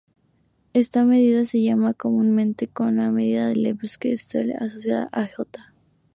Esta medida es llamada comúnmente como la medida Lebesgue–Stieltjes asociada a "g".